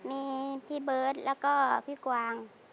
มีพี่เบิร์ตแล้วก็พี่กวาง